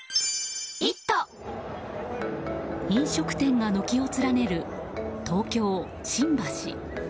飲食店が軒を連ねる東京・新橋。